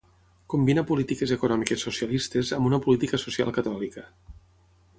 Combina polítiques econòmiques socialistes amb una política social catòlica.